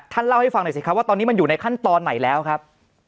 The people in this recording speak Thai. เล่าให้ฟังหน่อยสิครับว่าตอนนี้มันอยู่ในขั้นตอนไหนแล้วครับ